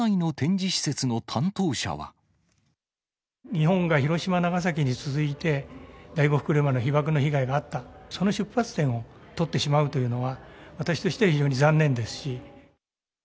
日本が広島、長崎に続いて、第五福竜丸の被ばくの被害があった、その出発点を取ってしまうというのは、私としては非常に残念ですし。